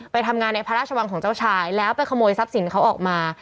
ไปทำงานในพระราชวังของเจ้าชายแล้วไปขโมยทรัพย์สินเขาออกมา